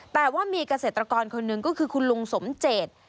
แต่ว่ามีเกษตรกรคนหนึ่งก็คือคุณลุงสมเจต